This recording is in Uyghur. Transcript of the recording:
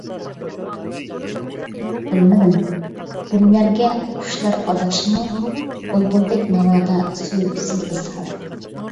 بىلمىدىم، گۈللەرگە قۇشلار ئاداشمۇ، بۇلبۇلدەك ناۋادا سۆيگۈسى ئىزھار.